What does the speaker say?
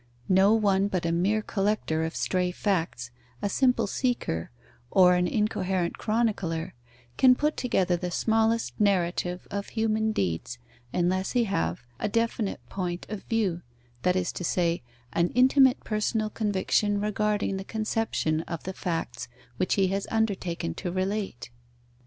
No one but a mere collector of stray facts, a simple seeker, or an incoherent chronicler, can put together the smallest narrative of human deeds, unless he have a definite point of view, that is to say, an intimate personal conviction regarding the conception of the facts which he has undertaken to relate.